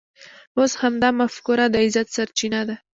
اوس همدا مفکوره د عزت سرچینه ده.